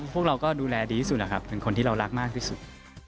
พวกเราก็ดูแลดีที่สุดนะครับเป็นคนที่เรารักมากที่สุด